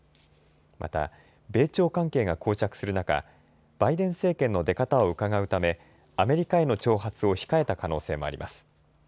また米朝関係がこう着する中、バイデン政権の出方をうかがうためアメリカへの挑発を控えた可能性もあります。